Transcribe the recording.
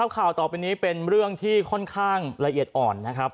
ข่าวต่อไปนี้เป็นเรื่องที่ค่อนข้างละเอียดอ่อนนะครับ